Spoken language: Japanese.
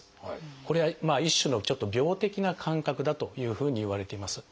これは一種のちょっと病的な感覚だというふうにいわれています。